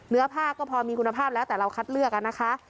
เนื้อผ้าก็พอมีคุณภาพแล้วแต่เราคัดเลือกนะคะ